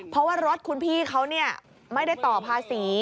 เพราะว่ารถคุณพี่เขาไม่ได้ต่อภาษี